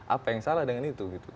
apa yang salah dengan itu